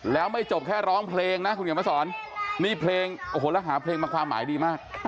แล้วไม่จบแค่ร้องเพลงนะคุณเขียนมาสอนนี่เพลงโอ้โหแล้วหาเพลงมาความหมายดีมาก